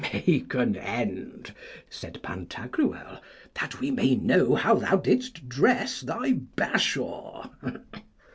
Make an end, said Pantagruel, that we may know how thou didst dress thy Bashaw.